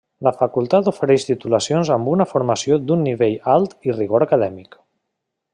La facultat ofereix titulacions amb una formació d'un nivell alt i rigor acadèmic.